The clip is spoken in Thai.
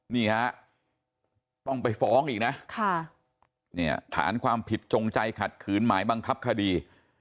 นี่ฮะต้องไปฟ้องอีกนะเนี่ยฐานความผิดจงใจขัดขืนหมายบังคับคดี